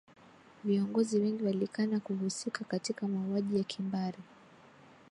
viongozi wengi walikana kuhusika katika mauaji ya kimbari